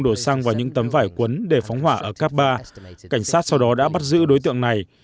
đổ xăng vào những tấm vải quấn để phóng hỏa ở cap ba cảnh sát sau đó đã bắt giữ đối tượng này